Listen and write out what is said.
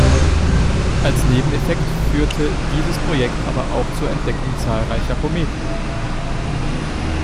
Als Nebeneffekt führte dieses Projekt aber auch zur Entdeckung zahlreicher Kometen.